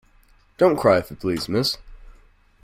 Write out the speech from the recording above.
Don't cry, if you please, miss!